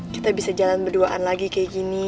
kita bisa jalan berduaan lagi kayak gini